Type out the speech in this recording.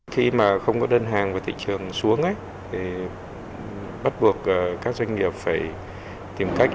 khi mà không có đơn hàng và thị trường xuống thì bắt buộc các doanh nghiệp phải tìm cách